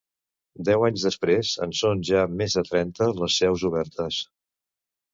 Deu anys després, en són ja més de trenta les seus obertes.